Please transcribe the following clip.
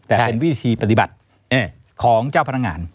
แต่เป็นวิธีปฏิบัติของเจ้าพนักงาน